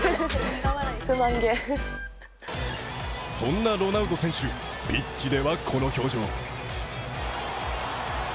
そんなロナウド選手、ピッチではこの表情。